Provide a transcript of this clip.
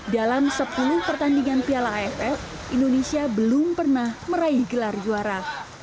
dalam sepuluh pertandingan piala aff indonesia belum pernah meraih gelar juara